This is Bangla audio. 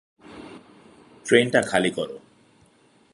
ট্রেনটা খালি করো।